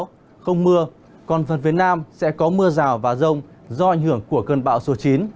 không mưa còn phần phía nam sẽ có mưa rào và rông do ảnh hưởng của cơn bão số chín